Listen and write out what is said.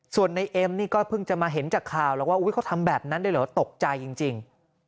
ส่วนในเอ็มนี่ก็เพิ่งจะมาเห็นจากข่าวหรอกว่าเขาทำแบบนั้นด้วยเหรอตกใจจริง